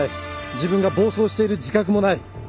自分が暴走している自覚もない。